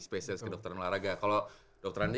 spesialis ke dokter olahraga kalau dokter andi